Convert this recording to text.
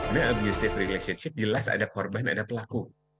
the abusive relationship jelas ada korban ada pelaku